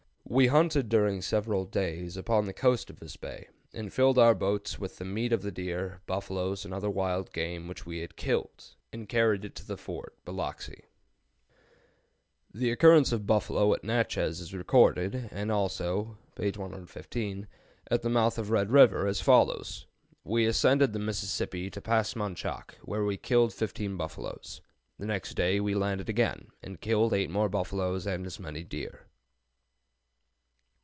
We hunted during several days upon the coast of this bay, and filled our boats with the meat of the deer, buffaloes, and other wild game which we had killed, and carried it to the fort (Biloxi)." [Note 11: Hist. Coll. of Louisiana and Florida, B. F. French, 1869, first series, p. 2.] The occurrence of the buffalo at Natchez is recorded, and also (p. 115) at the mouth of Red River, as follows: "We ascended the Mississippi to Pass Manchac, where we killed fifteen buffaloes. The next day we landed again, and killed eight more buffaloes and as many deer."